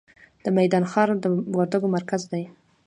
د میدان ښار د وردګو مرکز دی